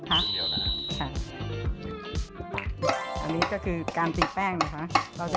อันนี้ก็คือการตีแป้งนะคะ